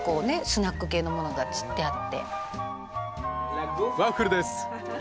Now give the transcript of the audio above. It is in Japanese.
スナック系のものが散ってあって。